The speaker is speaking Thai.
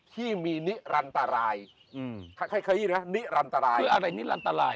ที่มีนิรันตรายให้ขยี้นะนิรันตรายคืออะไรนิรันตราย